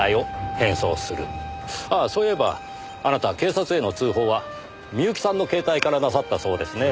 ああそういえばあなたは警察への通報は深雪さんの携帯からなさったそうですねぇ。